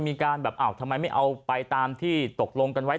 มันก็ไม่เอาไปแบบตามที่ตกลงกันไว้